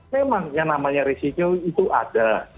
memang yang namanya risiko itu ada